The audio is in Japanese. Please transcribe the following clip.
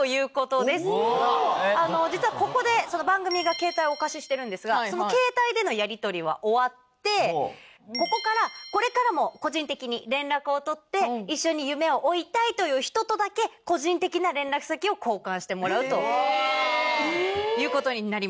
実はここで番組がケータイをお貸ししてるんですがそのケータイでのやりとりは終わってここからこれからも個人的に連絡を取って一緒に夢を追いたいという人とだけ個人的な連絡先を交換してもらうということになります。